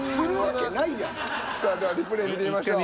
さあではリプレイ見てみましょう。